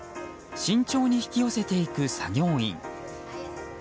慎重に引き寄せていく作業員。